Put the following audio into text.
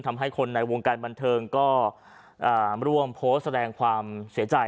ทำให้คนในวงการบันเทิงก็ร่วมโพสต์แสดงความเสียใจ